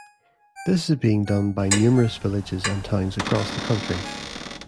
This is being done by numerous villages and towns across the country.